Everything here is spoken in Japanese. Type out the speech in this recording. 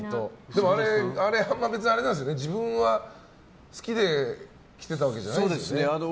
でも、あれは別に自分が好きで着てたわけじゃそうですね。